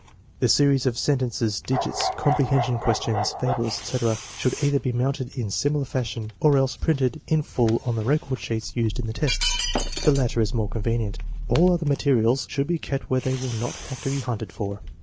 The series of sentences, digits, comprehension questions, fables, etc., should either be mounted in similar fashion, or else printed in full on the record sheets used in the tests. The latter is more convenient. 1 All other materials should be kept where they will not have to be hunted for.